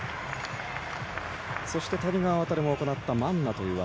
そして、谷川航も行ったマンナという技。